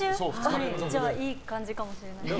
じゃあ、いい感じかもしれない。